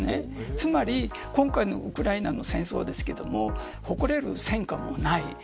つまり今回のウクライナの戦争ですが誇れる戦果もない。